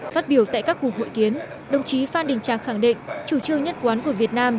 phát biểu tại các cuộc hội kiến đồng chí phan đình trạc khẳng định chủ trương nhất quán của việt nam